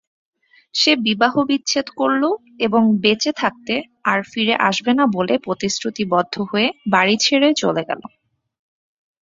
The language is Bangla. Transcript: সে বিবাহ বিচ্ছেদ করল এবং বেঁচে থাকতে আর ফিরে আসবে না বলে প্রতিশ্রুতিবদ্ধ হয়ে বাড়ি ছেড়ে চলে গেল।